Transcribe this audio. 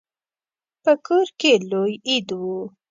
په کور کې لوی عید و.